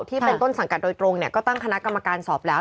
ที่เป็นต้นสังกัดโดยตรงเนี่ยก็ตั้งคณะกรรมการสอบแล้ว